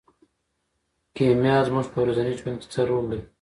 کیمیا زموږ په ورځني ژوند کې څه رول لري.